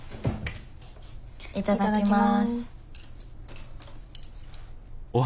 いただきます。